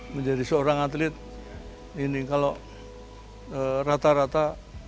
menjadi seorang atlet ini kalau rata rata